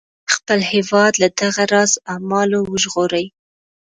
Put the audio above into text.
خپل هیواد له دغه راز اعمالو وژغوري.